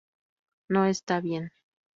No está bien".